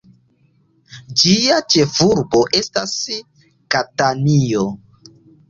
Ĝia ĉefurbo estas Katanio.